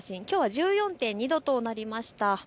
きょうは１４．２度となりました。